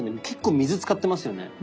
結構水使ってますよね？